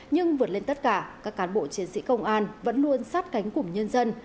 nhưng vượt lên tất cả các cán bộ chiến sĩ công an vẫn luôn sát cánh cùng nhân dân